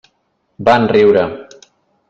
Van riure.